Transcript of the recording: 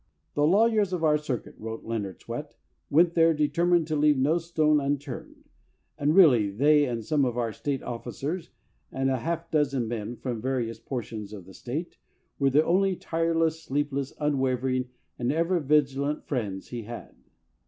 "The lawyers of our circuit," wrote Leonard Swett, "went there determined to leave no stone unturned ; and really they and some of our State officers and a half dozen men from various por tions of the State were the only tireless, sleepless, unwavering, and ever vigilant friends he had."